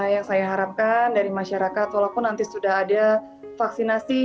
yang saya harapkan dari masyarakat walaupun nanti sudah ada vaksinasi